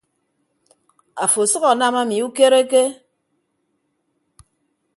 Afo asʌk anam ami ukereke.